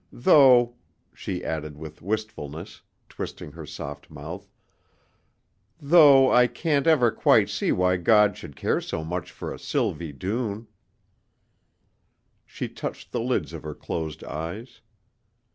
Though," she added with wistfulness, twisting her soft mouth, "though I can't ever quite see why God should care much for a Sylvie Doone." She touched the lids of her closed eyes.